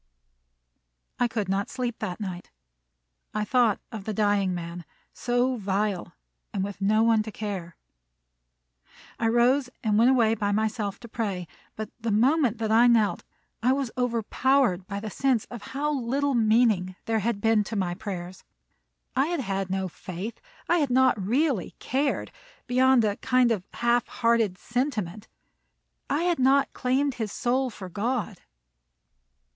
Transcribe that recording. I could not sleep that night. I thought of the dying man, so vile, and with no one to care! I rose and went away by myself to pray; but the moment that I knelt, I was overpowered by the sense of how little meaning there had been to my prayers. I had had no faith, and I had not really cared, beyond a kind of half hearted sentiment. I had not claimed his soul for God.